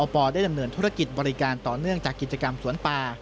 ปได้ดำเนินธุรกิจบริการต่อเนื่องจากกิจกรรมสวนป่า